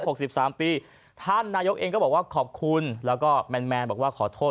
หกสิบสามปีท่านนายกเองก็บอกว่าขอบคุณแล้วก็แมนแมนบอกว่าขอโทษ